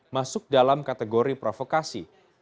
masuk dalam kategori provokasi